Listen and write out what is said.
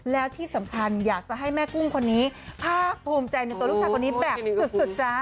แล้วที่สำคัญอยากจะให้แม่กุ้งคนนี้ภาคภูมิใจในตัวลูกชายคนนี้แบบสุดจ๊ะ